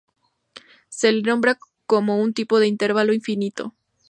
Se le nombra como un tipo de "intervalo finito".